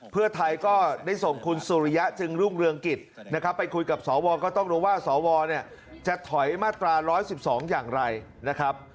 เพื่อไทยก็ได้ส่งคุณสุริยะจึงรุ่งเรืองกิจนะครับไปคุยกับสวก็ต้องรู้ว่าสวเนี่ยจะถอยมาตรา๑๑๒อย่างไรนะครับ